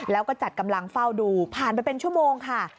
แล้วก็จัดกำลังเฝ้าดูผ่านไปเป็นชั่วโมงค่ะ